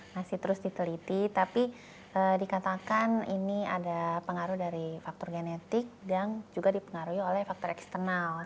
masih terus diteliti tapi dikatakan ini ada pengaruh dari faktor genetik dan juga dipengaruhi oleh faktor eksternal